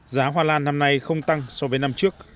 giá hoa lan năm nay không tăng so với năm trước